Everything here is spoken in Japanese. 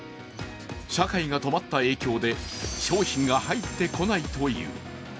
社会が止まった影響で商品が入ってこないという。